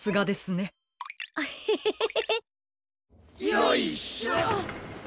よいしょ。